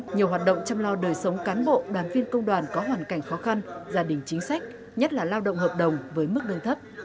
nhiều hoạt động chăm lo đời sống cán bộ đoàn viên công đoàn có hoàn cảnh khó khăn gia đình chính sách nhất là lao động hợp đồng với mức lương thấp